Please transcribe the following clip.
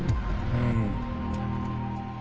うん。